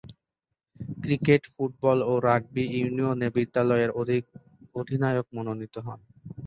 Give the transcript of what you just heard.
Cricket, football ও rugby ইউনিয়নে বিদ্যালয়ের অধিনায়ক মনোনীত হন।